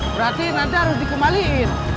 berarti nanti harus dikembaliin